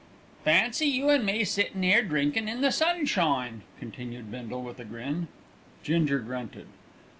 "Fancy you an' me sittin' 'ere drinkin' in the sunshine," continued Bindle with a grin. Ginger grunted.